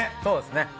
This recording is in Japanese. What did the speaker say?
そうですね。